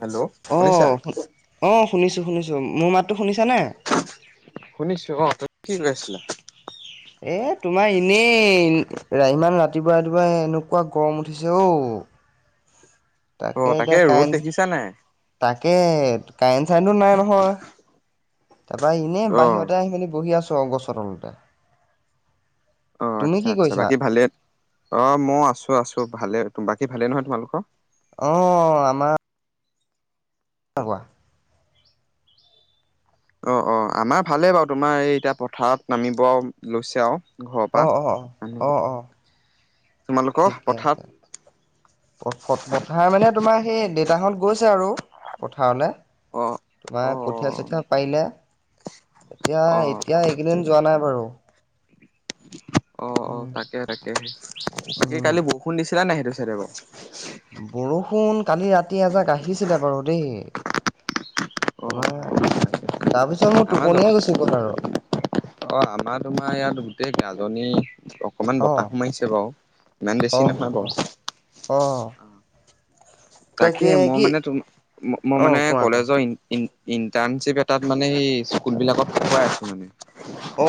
Hello অ শুনিছা? অ শুনিছো শুনিছো [unintelligible] মোৰ মাতটো শুনিছ নে? শুনিছো অ তুমি কি কৰি আছিলা? এ তোমাৰ এনেই [unintelligible] ইমান ৰাতিপুৱা ৰাতিপুৱা এনেকুৱা গৰম উঠিছে অ অ তাকে ৰ'দ দেখিছা নাই তাকে কাৰেন চাইনটো নাই নহয় তাৰপৰা এনেই অ বাহিৰতে আহি মেলি বহি আছো আৰু গছৰ তলতে অ তুমি আচ্ছা কি আচ্ছা কৰিছা বাকী ভালে অ মই আছো আছো ভালে বাকী ভালে নহয় তোমালোকৰ? অঁ আমা [inaudible] অ অ আমাৰ ভালেই বাৰু তোমাৰ এই এতিয়া পথাৰত নামিব লৈছে আৰু ঘৰৰ পৰা। অ অ অ অ অ তোমালোকৰ ঠিকে পথাৰত? আছে প-পথাৰ মানে তোমাৰ সেই [unintelligible] গৈছে আৰু পথাৰলে অ তোমাৰ অ কঠীয়া চঠীয়া পাৰিলে এতিয়া অ এতিয়া এইকেইদিন যোৱা নাই বাৰু অ অ উম তাকে তাকে [unintelligible] কালি উম বৰষুণ দিছিলে নে সেইটো চাইডে বাৰু? বৰষুণ কালি ৰাতি এজাক আহিছিলে বাৰু দেই [unintelligible] অ অ তাকে তাৰপিছত মোৰ টোপনিয়ে আমাৰ গুচি গ'ল আৰু অ আমাৰ তোমাৰ ইয়াত গোটেই গাজনী অকমান অ বতাহো মাৰিছে বাৰু ইমান অ বেছি অ নহয় অ বাৰু অ [unintelligible] তাকে মই মানে ত মই অ মানে কোৱা কোৱা কলেজৰ ইণ্টাৰণশ্বিপ এটাত মানে স স্কুল বিলাকত পঢুৱাই আছো মানে অ,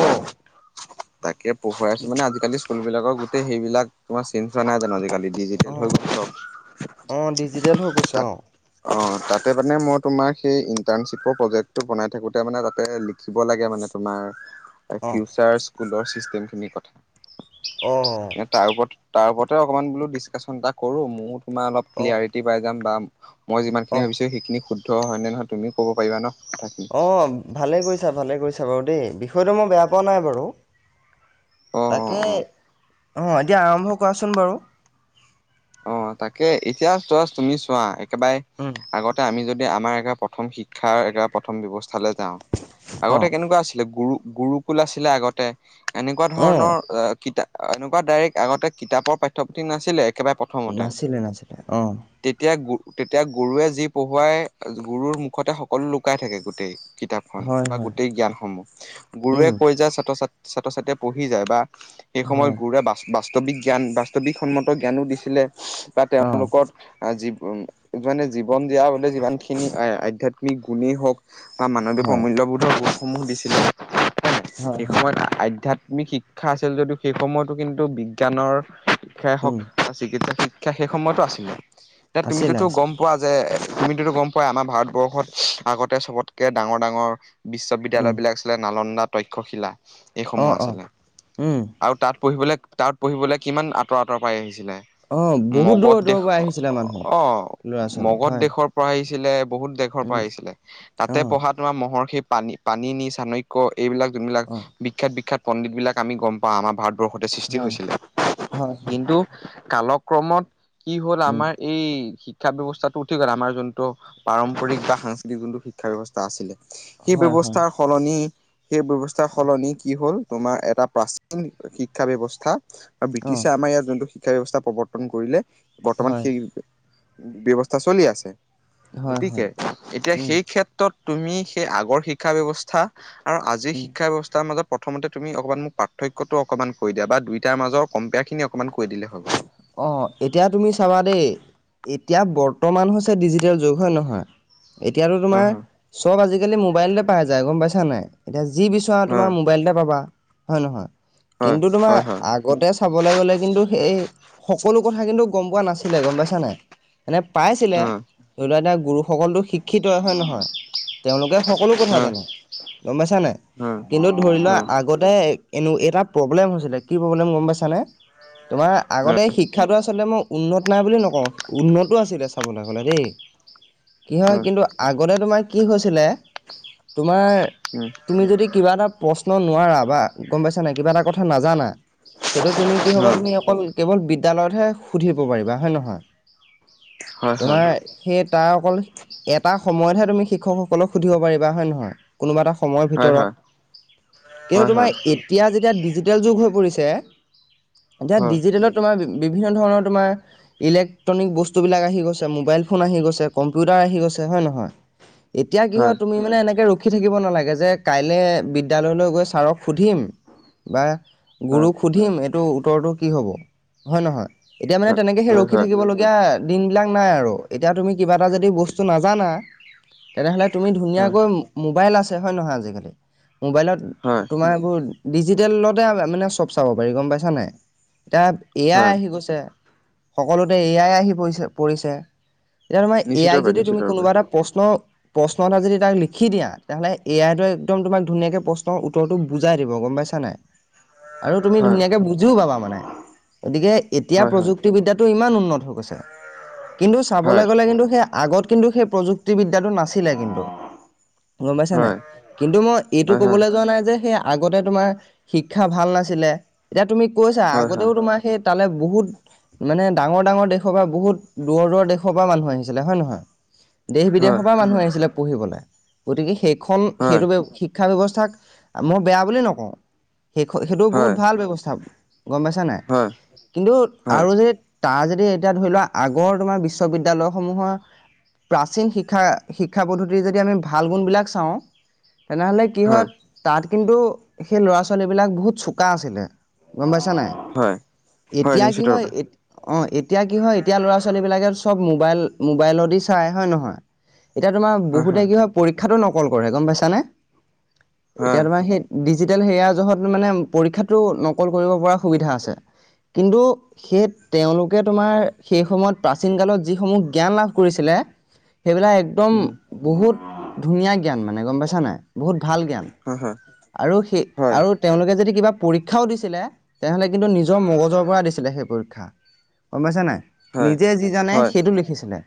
তাকে কি পঢ়ুৱাইছো মানে আজিকালি স্কুলাকৰ গোটেই সেইবিলাক তোমাৰ [unintelligible] হোৱা নাই জানো আজিকালি অ ডিজিটেল হৈ গ'ল অ চব [unintelligible] অঁ তাতে মানে মই তোমাৰ সেই ইণ্টাৰ্ণশ্বিপৰ প্ৰজেক্টটো বনাই থাকোঁতে মানে তাতে লিখিব লাগে মানে তোমাৰ ফিউচাৰ স্কুলৰ চিষ্টেম খিনিৰ কথা অ অ তাৰ ওপৰত তাৰ ওপৰতে অকমান বোলো ডিচকাশচন এটা কৰো ময়ো তোমাৰ অলপ অ ক্লিয়াৰটি পাই যাম বা মই অ যিখিনি ভাৱিছো খিনি শুদ্ধ হয় নহয় তুমি কৱ' পাৰিবা ন কথাখিনি অ ভালে কৰিছা ভালে কৰিছা বাৰু দেই বিষয়টো মই বেয়া পোৱা নাই বাৰু অ তাকে অ অ অঁ এতিয়া আৰম্ভ কৰাচোন বাৰু অ, তাকে এতিয়া ত তুমি চোৱা একেবাৰে উম আগতে আমি যদি আমাৰ এটা প্ৰথম শিক্ষাৰ এটা প্ৰথম ব্যৱস্থালৈ যাওঁ অ আগতে কেনেকুৱা আছিলে গুৰু গুৰুকুল আছিলে আগতে এনেকুৱা অ ধৰণৰ কিতাপ এনেকুৱা ডাইৰেক্ট আগতে কিতাপৰ পাঠ্যপুথি নাছিলে একবাৰে প্ৰথমতে নাছিলে নাছিলে অ তেতিয়া তেতিয়া গৰুৱে যি পঢ়োৱাই গৰুৰ মুখতে সকলো লুকাই থাকে গোতেই কিতাপখন হয় বা হয় গোটেই জ্ঞানসমূহ গুৰুৱে উম কৈ যায় ছাত্ৰ ছাত ছাত্ৰ ছাত্ৰীয়ে পঢ়ি যায় বা সেই সময়ত হয় গুৰুৱে বাস্তৱিক জ্ঞান বাস্তৱিক সন্মত জ্ঞানো দিছিলে বা অ তেওঁলোকৰ জীৱ মানে জীৱন জিয়া বলে যিমানখিনি আধ্যাত্মিক গুণেই হওক বা মানৱীয় হয় প্ৰমূল্যবোধৰ গোপসমূহ দিছিলে হয় সেই হয় সময়ত আধ্যাতিক শিক্ষা আছিল যদিও সেই সময়তো কিন্তু বিজ্ঞানৰ শিক্ষাই উম চিকিৎসা শিক্ষা সেই সময়তো আছিলে এতিয়া আছিলে তুমিতোগম আছিলে পোৱা যে তুমিতো গম পোৱাাই আমাৰ ভাৰতবৰ্ষত আগতে চবতকে ডাঙৰ ডাঙৰ উম বিশ্ববিদ্যালয়বিলাক আছিলে নালন্দা তক্ষশিলা অ এইসমূহ অ আছিলে উম আৰু তাত পঢ়িবলৈ তাত পঢ়িবলৈ কিমান আঁতৰ আঁতৰ পাই আহিছে অ বহুত মগধ দূৰৰ দেশ দূৰৰ পৰা আহিছিলে মানুহ অ ল'ৰা ছোৱালী মগধ হয় দেশৰ পৰা আহ ছিলে বহুত দেশৰ পৰা উম আহিছিলে তাতে অ পঢ়াত তোমাৰ মহৰ সেই পানী পানী নি চানক্য এইবিলাক যোনবিলাক অ বিখ্যাত বিখ্যাত পণ্ডিত বিলাক আমি গম পাওঁ আমাৰ ভাৰত বৰ্ষতে সৃষ্টি হয় হৈছিলে হয় হয় কিন্তু কালক্ৰমত কি হ'ল উম আমাৰ এই শ শিক্ষা ব্যৱস্থাটো ঠিক আমাৰ যোনটো পাৰম্পৰিক বা সাংস্কৃতিক যোনটো শিক্ষা ব্যৱস্থা আছিল সেই হয় হয় ব্যৱস্থাৰ সলনি সেই বেৱস্থাৰ সলনি কি হ'ল তোমাৰ এটা প্ৰাচীন শিক্ষা বেৱস্থা অ ব্ৰিটিছ যোনটো শিক্ষা ব্যৱস্থা প্ৰৱৰ্তন কৰিলে বৰ্তমান হয় সেই বেৱস্থা চলি আছে হয় গতিকে হয় এতিয়া উম সেই ক্ষেত্ৰত তুমি সেই আগৰ শিক্ষা বেৱস্থা আৰু আজিৰ উম শিক্ষা ব্যৱস্থাৰ মাজত প্ৰথমতে তুমি অকণমান মোক পাৰ্থক্যটো অকণমান কৈ দিয়া বা দুইটাৰ মাজৰ কম্পেয়াৰখিনি অকণমান কৈ দিলেই হৈ গ'ল আহ এতিয়া তুমি চাবা দেই এতিয়া বৰ্তমান হৈছে ডিজিটেল যুগ হয় নহয় এতিয়াতো তোমাৰ হয় চব আজিকালি মোবাইলতে পাই যায় গম পাইছা নাই এতিয়া যি বিচৰা তোমাৰ মোবাইলতে পাবা হয় নহয় কিন্তু তোমাৰ আগতে চাবলৈ গলে কিন্তু সেই সকলো কথা কিন্তু গম পোৱা নাছিলে গম পাইছানে এনেই পাইছিলে ধৰি লোৱাক এতিয়া গুৰুসকলটো শিক্ষিত হয় নহয় তেওঁলোকে সকলো কথা জানে গম পাইছানে কিন্তু ধৰি লোৱা আগতে এনেএটা প্ৰব্লেম হৈছিলে কি প্ৰব্লেম গম পাইছানে তোমাৰ আগতে শিক্ষাটো আচলতে মই উন্নত নাই বুলি নকওঁ উন্নতো আছিলে চাবলৈ গ'লে দেই কি হয় কিন্তু আগতে তোমাৰ কি হৈছিলে তোমাৰ তুমি যদি কিবা এটা প্ৰশ্ন নোৱাৰা বা গম পাইছা নাই কিবা এটা কথা নাজানা সেইটো তুমি কি হব তুমি অকল কেৱল বিদ্যালয়তহে সুধিব পাৰিবা হয় নহয় তোমাৰ সেই তাৰ অকল এটা সময়তহে তুমি শিক্ষকসকলক সুধিব পাৰিবা হয় নে নহয় কোনোবা এটা সময় ভিতৰত কিন্তূ এতিয়া যেতিয়া যুগ হৈ পৰিছে এতিয়া ডিজিটেলত তোমাৰ বিভিন্ন ধৰণৰ তোমাৰ ইলেক্ট্ৰনিক বস্তুবিলাক আহি গৈছে মোবাইল ফোন আহি গৈছে কম্পিউটাৰ আহি গৈছে হয় নহয় এতিয়া কি হয় তুমি মানে ৰখি থাকিব নালাগে যে কাইলে বিদ্যালয়লৈ গৈ ছাৰক সুধিম বা গুৰুক সুধিম এইটো উত্তৰটো কি হব হয় নহয় এতিয়া মানে তেনেকে সেই ৰখি থাকিবলগীয়া দিন বিলাক নাই আৰু এতিয়া তুমি কিবা এটা যদি বস্ত নাজানা তেনেহ'লে তুমি ধুনীয়াকৈ মোবাইল আছে হয় নহয় আজিকালি মোবাইলত তোমাৰ এইবোৰ ডিজিটেলতে মানে চব চাব পাৰি গম পাইছা নাই এতিয়া এয়াই আহি গৈছে সকলোতে এয়াই আহি পৰিছে পৰিছে এতিয়া তোমাৰ নিশ্চিত এয়াক ৰূপে যদি তুমি নিশ্চিত ৰূপে কোনোবা এটা প্ৰশ্ন প্ৰশ্ন এটা যদি তাক লিখি দিয়া তেনেহ'লে এয়ইটো একদম তোমাক ধুনীয়াকৈ প্ৰশ্নৰ উত্তৰটো বুজাই দিব গম পাইছা নাই আৰু তুমি হয় ধুনীয়াকে বুজিও পাবা মানে গতিকে এতিয়া হয় প্ৰযুক্তিবিদ্যাটো ইমান উন্নত হৈ গৈছে কিন্তু চাবলৈ হয় গ'লে কিন্তু সেই আগত কিন্তু সেই প্ৰযুক্তিবিদ্যাতো নাছিলে কিন্তু গম পাইছা নাই হয় কিন্তু মই এইটো হয় ক'বলৈ যোৱা নাই যে সেই আগতে তোমাৰ শিক্ষা ভাল নাছিলে এতিয়া তুমি কৈছা হয় আগতেও তোমাৰ তালৈ বহুত মানে ডাঙৰ ডাঙৰ দেশৰ পৰা বহুত দূৰৰ দূৰৰ দেশৰ পৰা মানুহ আহিছিলে হয় নহয় দেশ হয় বিদেশৰ পৰা মানুহ আহিছিলে পঢ়িবলৈ গতিকে সেইখন হয় হয় হয় সেইটো শিক্ষা ব্যৱস্থা মই বেয়া বুলি নকওঁ সেই সেইটো বহুত হয় ভাল ব্যৱস্থা গম পাইছা নাই হয় কিন্তু আৰু যে তাৰ যদি এতিয়া ধৰি লোৱা আগৰ তোমাৰ বিশ্ববিদ্য়ালয় সমূহৰ প্ৰাচীন শিক্ষা শিক্ষা পদ্ধতিৰ যদি আমি ভাল গুণ বিলাক চাওঁ তেনেহলে কি হয় হয় হয়ত তাত কিন্তু সেই ল'ৰা ছোৱালীবিলাক বহুত চোকা আছিলে গম পাইছা নাই হয়। হয় এতিয়া কি নিশ্চিত হয় ৰূপে এ অ এতিয়া কি হয় এতিয়া ল'ৰা ছোৱালী বিলাকে চব মোবাইল মোবাইলতদি চাই হয় নহয় এতিয়া তোমাৰ বহুতে কি হয় পৰীক্ষাতটো নকল কৰে গম পাইছাানে এতিয়া হয় তোমাৰ সেই ডিজিটেল হেয়য়া জহত মানে পৰীক্ষাতটো নকল কৰিব পৰা সুবিধা আছে কিন্তু সেই তেওঁলোকে তোমাৰ সেই সময়ত প্ৰাচীন কালত যিসমূহ জ্ঞান লাভ কৰিছে [unintelligible] একদম উম ধুনীয়া [unintelligible] ভাল জ্ঞান হয় হয় আৰু সেই আৰু হয় তেওঁলোকে যদি কিবা পৰীক্ষাও দিছিলে তেনেহ'লে কিন্তু নিজৰ মগজৰ পৰা দিছিলে সেই পৰীক্ষা গম পাইছা নাই নিজে যি জানে হয় সেইটো লিখিছিলে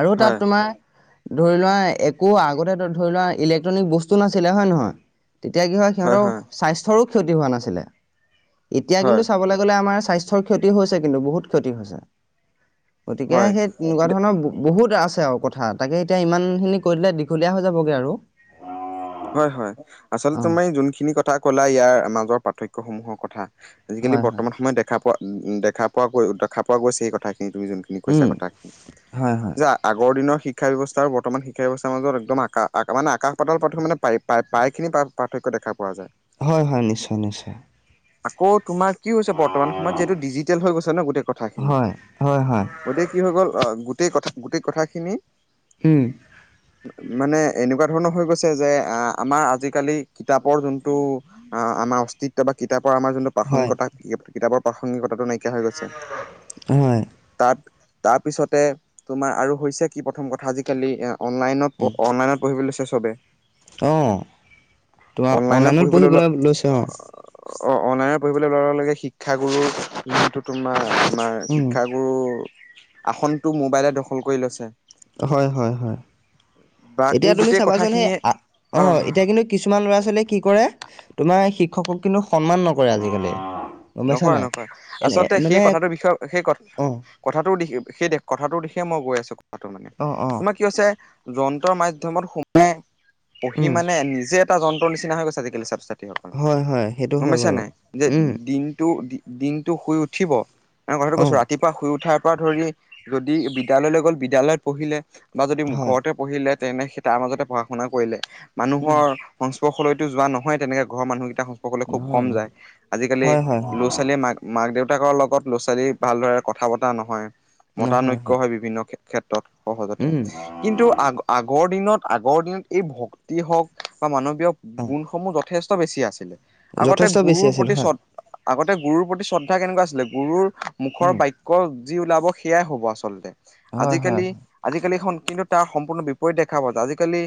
আৰু তাত হয় তোমাৰ ধৰি লোৱা একো আগতে ধৰি লোৱা ইলেক্ট্ৰনিক বস্তু নাছিলে হয় নে নহয় তেতিয়া কি হয় সিহঁতৰ স্বাস্থ্যৰো ক্ষতি হোৱা নাছিলে, এতিয়া কিন্তু হয় চাবলৈ গ'লে আমাৰ স্বাস্থ্যৰ ক্ষতি হৈছে কিন্তু, বহুত ক্ষতি হৈছে হয় গতিকে সেই হয় তেনেকুৱা ধৰণৰ বহুত আছে আৰু কথা তাকে এতিয়া ইমান খিনি কৈ দিলে দীঘলীয়া হৈ যাবগে আৰু হয় হয় আচলতে অ তুমাৰ যোনখিনি কথা ক'লা ইয়াৰ মাজৰ পাৰ্থক্য় সমূহৰ কথা আজিকালি হয় হয় বৰ্তমান সময়ত দেখা পোৱা দেখা পোৱা গৈ দেখা পোৱা গৈছে সেই কথাখিনি তুমি যোনখিনি কৈছা উম কথাখিনি হয় হয় যে আগৰ দিনৰ শিক্ষা ব্যৱস্থা আৰু ব্তমান শিক্ষা ব্যৱস্থাৰ মাজত একম আকা মানে আকাশ পাত মানে প্ৰায় প্ৰায়খিনি পাৰ্থক্য দেখা পোৱা যায় হয় হয় নিশ্চয় নিশ্চয়। আকৌ তোমাৰ কি হৈছে বৰ্তমান সময়ত যিহেতু ডিজিটেল হৈ গৈছে ন গোটেই কথাখিনি হয় হয় হয় গতিকে কি হৈ গ'ল আহ গোটেই কথা গোটেই কথাখিনি হম, মানে এনেকুৱা ধৰণৰ হৈ গৈছে যে আমাৰ আজিকালি কিতাপৰ যোনটো আমাৰ অস্তিত্ব বা কিতাপ পৰা আমাৰ যোনটো হয় প্ৰাসংগতা কিতাপৰ প্ৰাসংগিকতাটো নাই হৈ গছে হয় তাত তাৰ পিছতে তোমাৰ আৰু হৈছে কি প্ৰথম কথা আজিকালি এ অনলাইনত অনলাইনত পঢ়িবলৈ চব আহ তোমাৰ অনলাইনত পঢ়িবলৈ লৈছে অ অ অনলাইনৰ পঢ়িবলৈ লগে লগে শিক্ষাগুৰু যিটো তোমাৰ আমাৰ উম শিক্ষাগুৰু আসনটো মোবাইলে দখল কৰি লৈছে হয়, হয়, হয়, বা এতিয়া এই তুমি গোটেই চাবাচোন সেই কথাখিনিয়ে অ, আহ এতিয়া কিন্তু কিছুমান ল'ৰা ছোৱালীয়ে কি কৰে তোমাৰ শিক্ষকক কিন্তু সন্মান নকৰে আজিকালি গম পাইছা নকয় নাই নকোৱা এনে আচলতে সেই মানে কথাটোৰ বিষয়ে সেই কথা অঁ কথাটো দি সেই কথাটো দিশে মই গৈ আছো মানে অঁ অঁ তোমাৰ কি হৈছে যন্ত্ৰৰ মাধ্মত সোমাই পঢি উম মানে নিজে এটা যন্ত্ৰ নিচিনা হৈ গৈছে আজিকালি ছাএ হয় হয় সেইটো হয় গমাইছা বাৰু নাই যে উম দিন দিনটো শুই উঠিব কথাটো কৈছো অঁ ৰাতিপুৱা শুই উঠাৰ পৰা ধৰি যদি বিদ্যালয়লৈ গ'ল বিদ্যালয়ত পঢ়িলে বা যদি হয় ঘৰতে পঢ়িলে তেনেে তাৰ মাজতে পঢ়া শুনা কৰিলে উম মানুহৰ সংস্পৰ্শলৈতো যোৱা নহয় তেনেকে ঘৰৰ মানুহ সংস্পৰ্শলৈ খুব নহয় কম যায়। আজিকালি নহয় হয় হয় হয় ল'ৰা-ছোৱালীয়ে মাক, মাক দেউ তাকৰ লগত ল'ৰা-ছোৱালী ভালদৰে কথা-বতৰা নহয়! মতানৈক্য হয় বিভিন্ন ক্ষে [unintelligible] সহজতে, উম। কিন্তু আগ-আগৰ দিনত আগৰ দিনত, এই ভক্তি হওঁক বা মানৱীয় হয়, গুণসমূহ যথেষ্ট বেছি আছিল। আগতে যথেষ্ট বেছি গুৰুৰ আছিল প্ৰতি হয়। শ্ৰদ্ধা আগতে গুৰুৰ প্ৰতি শ্ৰদ্ধা কেনেকুৱা আছিলে, গুৰুৰ মুখৰ উম, বাক্য যি ওলাব সেয়াই হ'ব আচলতে, হয়, হয়, আজিকালি আজিকালি [unintelligible] কিন্তু তাৰ সম্পূৰ্ণ বিপৰীত দেখা পোৱা যায়, আজিকালি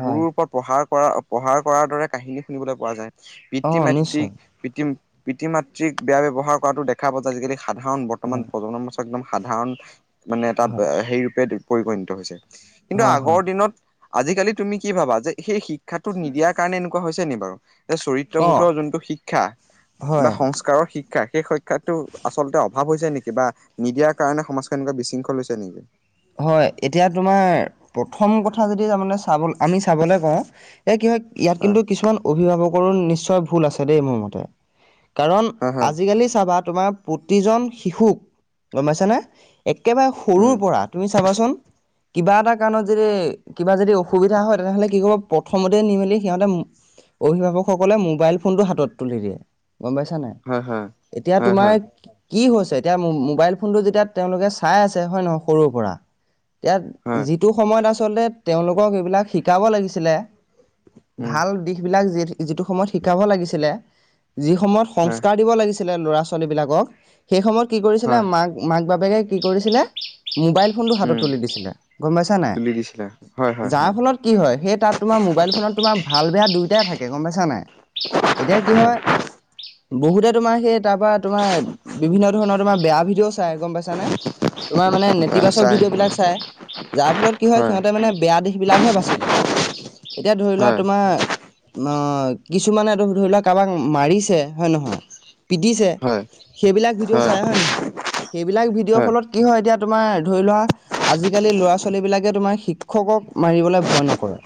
হয়, গুৰুৰ ওপৰত পঢ়াৰ কৰা পঢ়াৰ কৰাৰ দৰে কাহিনী শুনিবলৈ পোৱা যায়, অ', পিতৃ-মাতৃক নিশ্চয়, পিতৃ পিতৃ-মাতৃক বেয়া ব্যৱহাৰ কৰাতো দেখা পোৱা যায়, আজিকালি সাধাৰণ বৰ্তমান হয়, প্ৰজন্ম [unintelligible] একদম সাধাৰণ মানে, এটা হয়, হেৰি ৰূপে পৰিগণিত হৈছে। কিন্তু হয়, আগৰ হয়, দিনত, আজিকালি তুমি কি ভাবা যে সেই শিক্ষাটো নিদিয়াৰ কাৰণে এনে কোৱা হৈছে নি বাৰু, যে অ', চৰিত্ৰবোধৰ যোনটো শিক্ষা বা হয়, সংস্কাৰৰ শিক্ষা, সেই [unintelligible] টো আচলতে অভাৱ হৈছে নেকি বা নিদিয়াৰ কাৰণে সমাজখন এনেকুৱা বিশৃংখল হৈছে নেকি? হয়, এতিয়া তোমাৰ প্ৰথম কথা যদি তাৰমানে চাব [unintelligible] আমি চাবলৈ কওঁ এ কি হয়, ইয়াত হয় কিন্তু কিছুমান অভিভাৱকৰো নিশ্চয় ভুল আছে দেই! মোৰ মতে। কাৰণ হয় হয় আজিকালি চাবা তোমাৰ প্ৰতিজন শিশুক, গম পাইছানে একেবাৰে সৰুৰ উম পৰা, তুমি চাবাচোন কিবা এটা কাৰণত যদি, কিবা যদি অসুবিধা হয়, তেনেহ'লে কি কৰিব, প্ৰথমতে নি মেলি সিহঁতে অভিভাৱকসকলে মোবাইল ফোনটো হাতত তুলি দিয়ে। গম পাইছাঁ নাই, হয় হয় এতিয়া হয় তোমাৰ হয় কি হৈছে, এতিয়া মোবাইল ফোনটো যেতিয়া তেওঁলোকে চাই আছে, হয় নহয়, সৰুৰ পৰা এতিয়া, হয় যিটো সময়ত আচলতে তেওঁলোকক এইবিলাক শিকাব লাগিছিলে উম ভাল দিশ বিলাক যি, যিটো সময়ত শিকাব লাগিছিলে যি সময়ত হয় সংস্কাৰ দিব লাগিছিলে ল'ৰা ছোৱালী বিলাকক, সেই সময়ত কি কৰিছিলে, হয় মাক, মাক বাপেকে কি কৰিছিলে ম'বাইল ফোনটো হাতত উম তুলি দিছিলে গম পাইছা নাই? তুলি দিছিলা হয় হয় যাৰ হয় ফলত কি হয় সেই তাত তোমাৰ মোবাইল ফোনত তোমাৰ ভাল বেয়া দুয়োটাই থাকে গম পাইছা নাই? এতিয়া কি হয় বহুতে তোমাৰ সেই তাৰপৰা তোমাৰ বিভিন্ন ধৰণৰ তোমাৰ বেয়া ভিডিঅ' চাই গম পাইছানে? তোমাৰ মানে হয় ইতিবাচক চাই ভিডিঅ' বিলাক চাই যাৰ ফলত কি হয় সিহঁতে মানে বেয়া দিশ বিলাকহে বাচি লয় এতিয়া ধৰি লোৱা হয় তোমাৰ আ, কিছুমানে ধৰি লোৱা কাৰোবাক মাৰিছে হয় নহয় পিটিছে হয় সেইবিলাক ভিডিঅ' চাই হয় নহয় সেইবিলাক ভিডিঅ'ৰ ফলত কি হয় এতিয়া তোমাৰ ধৰি লোৱা আজিকালি লৰা ছোৱালী বিলাকে তোমাৰ শিক্ষকক মাৰিবলৈ ভয় নকৰে।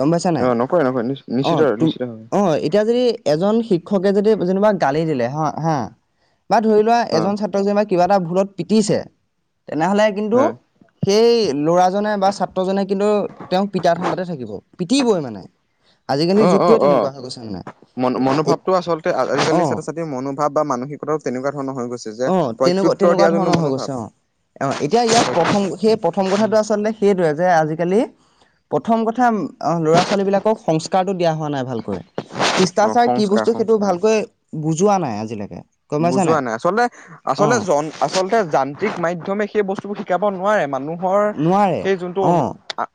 গম পাইছা নাই অ নকয় নকয় নিশ্চিত অ', তু নিশ্চিত হয় অ', এতিয়া যদি এজন শিক্ষকে যদি যেনিবা গালি দিলে হা হা বা ধৰি লোৱা অ এজন ছাত্ৰক যেনেবা কিবা এটা ভুলত পিটিছে তেনেহলে কিন্তু হয় সেই ল'ৰাজনে বা ছাত্ৰজনে কিন্তু তেওঁক পিতা ঢাণ্ডাতে থাকিব পিটিবই মানে আজিকালি যুগটোৱে তেনেকুৱা হৈ গৈছে মানে ম' এ মনোভাৱটো আচলতে আজিকালি অ ছাত্ৰ ছাত্ৰীৰ মনোভাৱ বা মানসিকতাও তেনেকুৱা ধৰণৰ হৈ গৈছে যে অ', তেনেকুৱা - প্ৰত্যুত্তৰ তেনেকুৱা দিয়া যোনটো ধৰণৰ হৈ মনোভাৱ গৈছে অ, অ, এতিয়া ইয়াত প্ৰথম সেই প্ৰথম প্ৰথম কথাটো আচলতে সেইটোৱে যে আজিকালি প্ৰথম কথা ল'ৰা ছোৱালী বিলাকক সংস্কাৰটো দিয়া হোৱা নাই ভালকৈ। খ্ৰীষ্টাচাৰ কি সংস্কাৰ বস্তু সেইটো সংস্কাৰ ভালকৈ বুজোৱা নাই আজিলৈকে গম পাইছা বুজোৱা নাই আচলতে অ আচলতে জন আচলতে যান্ত্ৰিক মাধ্যমে সেই বস্তুবোৰ শিকাব নোৱাৰে মা মানুহৰ নোৱাৰে সেই যোনটো অ অনু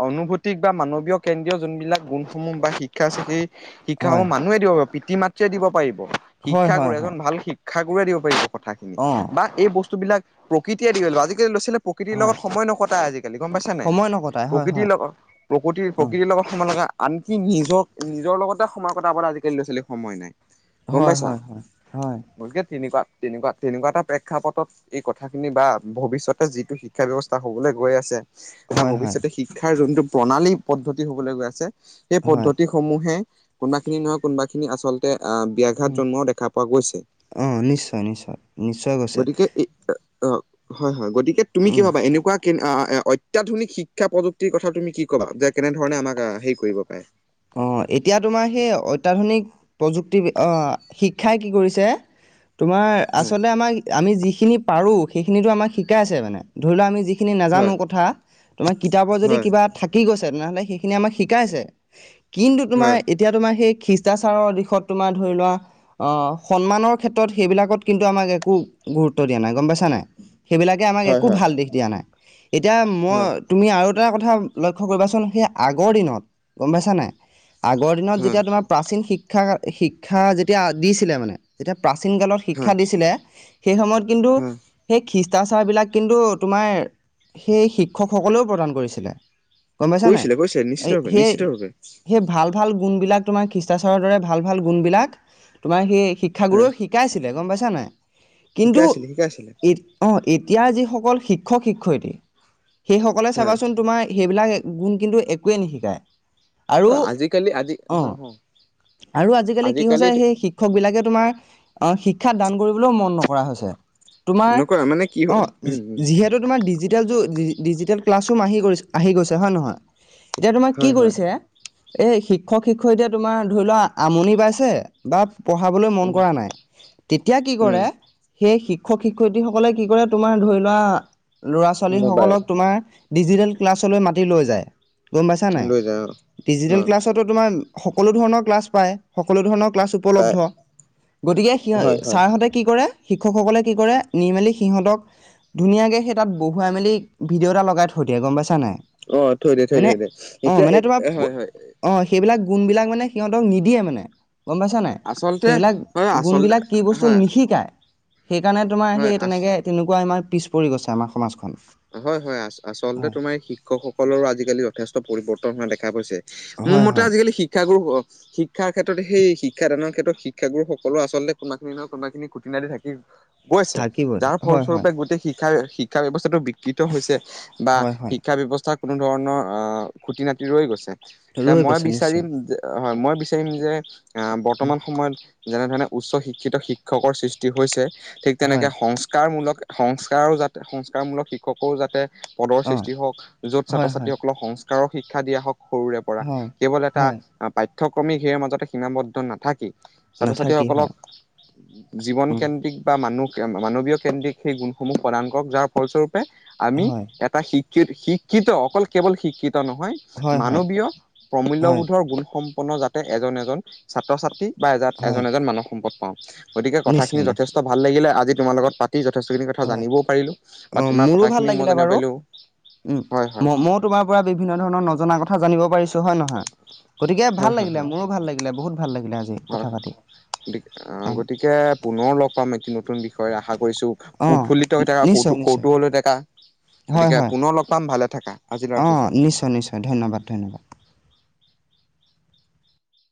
অনুভূতি বা মানৱীয় কেন্দ্ৰীয় যোনবিলাক গুণসমূহ বা শিক্ষা চেহি, শিক্ষাসমূহ হয় মানুহে দিব পাৰিব পিতৃ-মাতৃয়ে দিব পাৰিব, হয় শিক্ষাগুৰু হয় এজন হয় ভাল শিক্ষাগুৰুৰে দিব পাৰিব কথাখিনি, অ বা এই বস্তু বস্তু বিলাক প্ৰকৃতিয়ে দি পাৰিব, আজিকালি ল'ৰা ছোৱালীয়ে প্ৰকৃতি হয় লগত সময় নকটাই আজিকালি। লি গম পাইছা নে নাই, সময় নকটাই হয় প্ৰকৃতিৰ হয় লগত প্ৰকৃতিৰ, অ প্ৰকৃতিৰ লগত সময় লগা আনকি নিজক-নিজৰ লগতে সময় কটাবলৈ আজিকালি ল'ৰা ছোৱালীক সময় নাই। গম হয়, পাইছা হয়, হয়, হয়। গতিকে তেনেকুৱা, তেনেকুৱা, তেনেকুৱা এটা প্ৰেক্ষাপটত এই কথাখিনি বা ভৱিষ্যতে যিটো শিক্ষা ব্যৱস্থা হ'ব। লৈ গৈ আছে। বা হয় হয় ভৱিষ্যতে শিক্ষাৰ যোনটো প্ৰণালী পদ্ধতি হবলৈ গৈ আছে, সেই হয় পদ্ধতি সমূহে কোনোবা খিনি নহয়, কোনোবাখিনিত আচলতে আহ, ব্যয়াঘাত জন্মও দেখা পোৱা গৈছে। অ', নিশ্চয়, নিশ্চয়, নিশ্চয় গৈছে। অ', হয়, হয় গতিকে তুমি উম কিবা এনেকুৱা কে এ, অত্যাধুনিক শিক্ষা প্ৰযুক্তিৰ কথা তুমি কি কবা যে, কেনেধৰণে আমাক হেৰি কৰিব পাৰে? অ', এতিয়া তোমাৰ সেই অত্যাধুনিক প্ৰযুক্তিব শিক্ষাই কি কৰিছে। তোমাৰ আচলতে আমাক আমি যিখিনি পাৰো, সেইখিনিতো আমাক শিকাই আছে মানে ধৰি লোৱা আমি যি খিনি হয় নাজানো কথা, তোমাৰ কিতাপৰ যদি হয় কিবা থাকি গৈছে তেনেহ'লে সেইখিনি আমাক শিকাইছে। কিন্তু তোমাৰ হয় এতিয়া তোমাৰ সেই খ্ৰীষ্টাচাৰৰ দিশত তোমাৰ ধৰি লোৱা আহ, সন্মানৰ ক্ষেত্ৰত সেইবিলাকত কিন্তু আমাক একো গুৰুত্ব দিয়া নাই গম পাইছা নে নাই। সেইবিলাকে আমাক হয় একো হয় ভাল দিশ দিয়া নাই, এতিয়া হয় মই তুমি আৰু দু-এটা কথা লক্ষ্য কৰিবাচোন, সেই আগৰ দিনত গম পাইছ নাই। আগৰ দিনত হয় যেতিয়া তোমাৰ প্ৰাচীন শিক্ষা, শিক্ষা যেতিয়া দিছিলে মানে যেতিয়া প্ৰাচীন কালত শিক্ষা হয় দিছিলে, সেই সময়ত কিন্তু হয় সেই খ্ৰীষ্টাচাৰবিলাক কিন্তু তোমাৰ সেই শিক্ষকসকলেও প্ৰদান কৰিছিলে। গম পাইছা নাই কৰিছিলে, কৰিছিলে এই নিশ্চয়। সেই, সেই ভাল, ভাল। গুণবিলাক তোমাৰ খ্ৰীষ্টাচাৰৰ দৰে ভাল, ভাল গুণবিলাক তোমাৰ সেই হা শিক্ষাগুৰুে শিকাইছিলে গম পাইছা নাই, কিন্তু শিকাইছিলে শিকাইছিলে অ', এতিয়াৰ যিস অকল শিক্ষক শিক্ষয়িত্ৰী সেইসকলে হয় চাবাচোন তোমাৰ সেইবিলাক গুণ কিন্তু একোৱেই নিশিকায়। আৰু অ', আজিকালি আজি অ হয়, হয়। আৰু আজিকালি কি হৈছে সেই শিক্ষক বিলাকে তোমাৰ আহ, শিক্ষা দান কৰিবলৈও মন নকৰে। কৰা হৈছে, তোমাৰ নকৰা মানে কি হয় অ', উম উম যিহেতু তোমাৰ ডিজিটেল য ডিজিটেল ক্লাছৰুম আহিছে আহি গৈছে হয়, নহয় এতিয়া তোমাক কি হয় হয় কৰিছে? এই শিক্ষক-শিক্ষয়িত্ৰী তোমাৰ ধৰি লোৱা আমনি পাইছে বা পঢ়াবলৈ মন উম কৰা নাই, তেতিয়া কি উম কৰে সেই শি শিক্ষক-শিক্ষয়িত্ৰীসকলে কি কৰে তোমাৰ ধৰি লোৱা ল'ৰা মোবাইল ছোৱালীসকলক তোমাৰ ডিজিটেল ক্লাছলৈ মাতি লৈ যায়, গম পাইছা নে লৈ যায় অ অ নাই? সকলো ধৰণৰ ক্লাছ পায়, সকলো ধৰণৰ ক্লাছ তাই উপলব্ধ, গতিকে সি হয় হয় ছাৰহঁতে কি কৰে। শিক্ষকসকলে কি কৰে, নি মেলি সিহঁতক ধুনীয়াকৈ সেই তাত বহুৱাই মেলি ভিডিঅ' এটা লগাই থৈ দিয়ে গম পাইছে। অ', থৈ দিয়ে থৈ দে, থৈ দে। অ', মানে তোমাৰ অ', সেইবিলাক গুণ বিলাক মানে সিহঁতক নিদিয়ে মানে। গম পাইছা নাই, আচলতে সেইবিলাক হয় আচলতে গুণবিলাক কি বস্তু হয় নিশিকায়। সেইকাৰণে তোমাৰ হয় সেই আ তেনেকে তেনেকুৱা আমাৰ পিছ পৰি গৈছে আমাৰ সমাজখন। হয়, হয় আ-আচলতে হয় তোমাৰ শিক্ষকসকলৰো আজিকালি যথেষ্ট পৰিৱৰ্তন হোৱা দেখা গৈছে। মোৰ হয় মতে হয় আজিকালি শিক্ষাগুৰু, শিক্ষাৰ ক্ষেত্ৰত সেই শিক্ষাদানৰ ক্ষেত্ৰত শিক্ষাগুৰুসকলো আচলতে কোনোবাখিনি নহয় কোনোবাখিনি খুঁটি-নাতি থাকিবৈ। গৈছে, থাকিবই যাৰ হয় হয় ফলস্বৰূপে গোটেই শিক্ষা, শিক্ষা ব্যৱস্থাটো বিকৃত হৈছে। বা হয় হয় শিক্ষা ব্যৱস্থা কোনো ধৰণৰ আহ খুটি-নাতি ৰৈ গৈছে। এতিয়া ৰৈ মই গৈছে নিশ্চয় বিচাৰিম হয়, মই বিচাৰিম যে আহ, উম বৰ্তমান সময়ত যেনেধৰণে উচ্চ শিক্ষিত শিক্ষকৰ সৃষ্টি হৈছে, ঠিক হয় তেনেকে সংস্কাৰমূলক সংস্কাৰো যাতে সংস্কাৰমূলক শিক্ষকৰো যাতে। পদৰ অ সৃষ্টি হওঁক, য'ত হয় ছাত্ৰ হয় ছাত্ৰীসকলক সংস্কাৰৰ শিক্ষা দিয়া হওঁক। সৰুৰে পৰা হয় কেৱল এটা হয় পাঠ্যক্ৰমিক সেয়ৰ মাজতে সীমাবদ্ধ নাথাকি। ছাত্ৰ নাথাকি ছাত্ৰীসকলক হয় জীৱন উম কেন্দ্ৰিক বা মানুহ। মানৱীয় কেন্দ্ৰিক সেই গুণসমূহ প্ৰদান কৰক যাৰ ফলস্বৰূপে আমি হয় এটা শিক্ষা শি শিক্ষিত অকল কেৱল শিক্ষিত নহয় হয় হয় মানৱীয় হয় প্ৰমূল্যবোধৰ গুণসমূহ। সম্পূৰ্ণ যাতে এজন এজন ছাত্ৰ ছাত্ৰী বা এ এজন হয় এজন মানৱ সম্পদ পাওঁ। গতিকে, কথাখিনি নিশ্চয় যথেষ্ট নিশ্চয় ভাল লাগিলে। আজি তোমাৰ লগত পাতি যথেষ্টখিনি কথা হয় জানিবও পাৰিলোঁ। অ' মোৰো ভাল লাগিলে বাৰু। হয় হয় মই তোমাৰ পৰা বিভিন্ন ধৰণৰ নজনা কথা জানিব পৰিছো হয় নহয়, গতিকে, হয় ভাল হয় লাগিলে হয় মোৰো ভাল লাগিলে বহুত ভাল লাগিলে আজি কথা পাতি। আহ অ গতিকে পুনৰ লগ পাম এটি নতুন বিষয় আশা কৰিছো। অ উৎফুল্লিত হৈ থকা কৌত নিশ্চয় নিশ্চয় কৌতুহল হৈ থকা হয় গতিকে হয় পুনৰ লগ পাম ভালে থাকা। আজিলৈ ৰাখিছো। অ' নিশ্চয় নিশ্চয়, ধন্যবাদ। ধন্যবাদ।